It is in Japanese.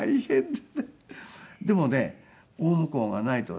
でもね大向こうがないとね